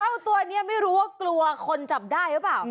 ตัวนี้ไม่รู้ว่ากลัวคนจับได้หรือเปล่า